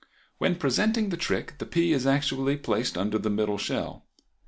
When presenting the trick the pea is actually placed under the middle shell.